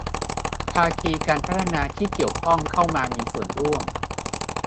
ภาคีการพัฒนาที่เกี่ยวข้องเข้ามามีส่วนร่วม